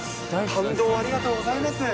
感動をありがとうございます。